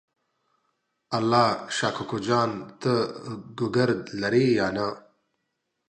الله شا کوکو جان ته ګوګرد لرې یا نه؟